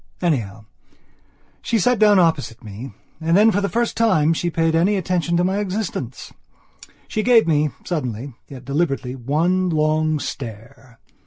Anyhow, she sat down opposite me and then, for the first time, she paid any attention to my existence. She gave me, suddenly, yet deliberately, one long stare.